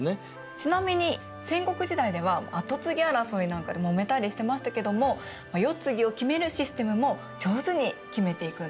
ちなみに戦国時代では後継ぎ争いなんかでもめたりしてましたけども世継ぎを決めるシステムも上手に決めていくんですよね。